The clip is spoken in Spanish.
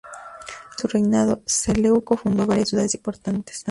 A lo largo de su reinado, Seleuco fundó varias ciudades importantes.